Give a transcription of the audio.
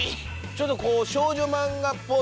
ちょっとこう少女漫画っぽい。